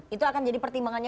itu akan jadi pertimbangannya